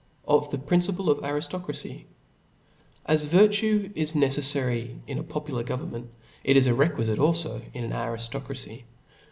Of the Principle of Arijlocracy. A S virtue is neceflary in. a popular govern *■ ment, it is requifue alfo under an ariftocracy.